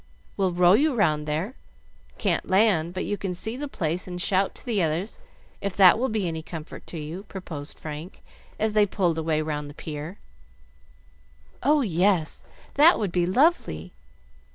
"We'll row you round there. Can't land, but you can see the place and shout to the others, if that will be any comfort to you," proposed Frank, as they pulled away round the pier. "Oh, yes, that would be lovely!"